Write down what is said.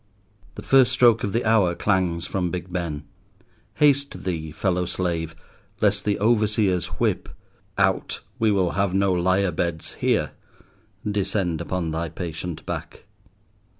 The first stroke of the hour clangs from Big Ben. Haste thee, fellow slave, lest the overseer's whip, "Out, we will have no lie a beds here," descend upon thy patient back.